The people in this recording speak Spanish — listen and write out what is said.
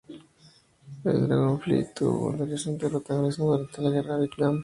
El Dragonfly tuvo un interesante protagonismo durante la Guerra de Vietnam.